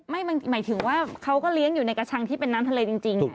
หมายถึงว่าเขาก็เลี้ยงอยู่ในกระชังที่เป็นน้ำทะเลจริง